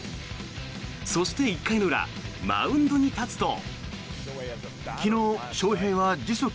そして１回裏マウンドに立つと。